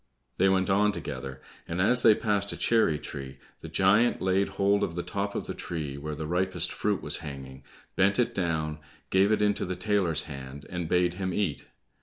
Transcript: They went on together, and as they passed a cherry tree, the giant laid hold of the top of the tree where the ripest fruit was hanging, bent it down, gave it into the tailor's hand, and bade him eat.